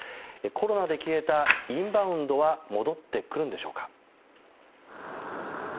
コロナで消えたインバウンドは戻ってくるのでしょうか。